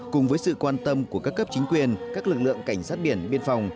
cùng với sự quan tâm của các cấp chính quyền các lực lượng cảnh sát biển biên phòng